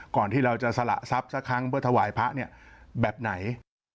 ที่เราจะสละทรัพย์สักครั้งเพื่อถวายพระเนี่ยแบบไหน